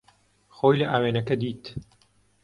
خۆی لە ئاوێنەکە دیت.